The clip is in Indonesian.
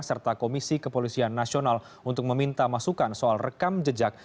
serta komisi kepolisian nasional untuk meminta masukan soal rekam jejak